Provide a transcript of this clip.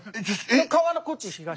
川のこっち東。